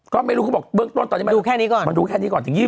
เขาไม่รู้เขาบอกเบื้องต้นตอนนี้มันดูแค่นี้ก่อนถึง๒๒ธนวาคม